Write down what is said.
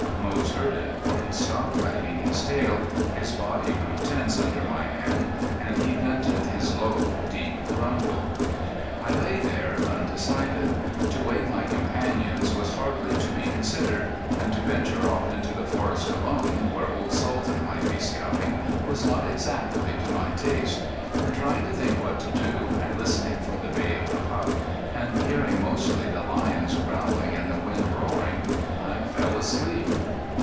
Moze heard it, for he stopped wagging his tail, his body grew tense under my hand, and he vented his low, deep grumble. I lay there undecided. To wake my companions was hardly to be considered, and to venture off into the forest alone, where old Sultan might be scouting, was not exactly to my taste. And trying to think what to do, and listening for the bay of the pup, and hearing mostly the lions growling and the wind roaring, I fell asleep.